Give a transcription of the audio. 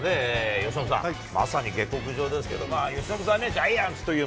由伸さん、まさに下克上ですけど、由伸さんは、ジャイアンツという